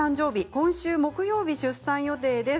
今週、木曜日出産予定です。